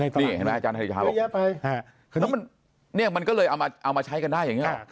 นี่เห็นไหมอาจารย์ไทยเท้าหรอกแล้วมันนี่มันก็เลยเอามาใช้กันได้อย่างนี้หรือเปล่า